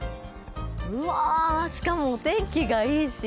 うわ、しかもお天気がいいし。